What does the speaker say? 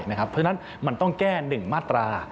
เพราะฉะนั้นมันต้องแก้๑มาตรา